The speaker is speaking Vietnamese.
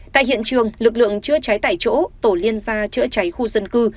tại hiện trường lực lượng chữa cháy tại chỗ tổ liên gia chữa cháy khu dân cư